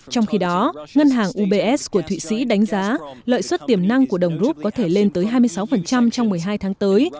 trong khi đó ngân hàng ubs của thụy sĩ đánh giá lợi suất tiềm năng của đồng rút có thể lên tới hai mươi sáu trong một mươi hai tháng tới